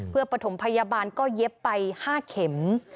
เพื่อปฐมพยาบาลก็เย็บไป๕เข็ม